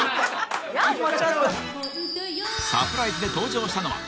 ［サプライズで登場したのは］